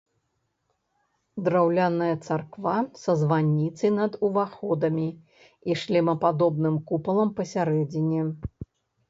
Драўляная царква са званіцай над уваходамі і шлемападобным купалам пасярэдзіне.